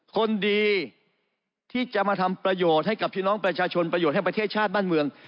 คนดีที่จะมาทำประโยชน์ให้กับพี่น้องประชาชนประโยชน์ให้ประเทศชาติบ้านเมือง